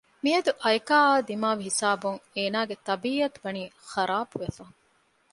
މިއަދު އައިކާއާ ދިމާވި ހިސާބުން އޭނާގެ ޠަބީއަތު ވަނީ ޚަރާބުވެފަ